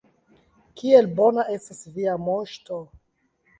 Kiel bona estas Via Moŝto!